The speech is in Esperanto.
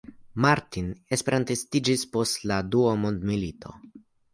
Martin esperantistiĝis post la dua mondmilito.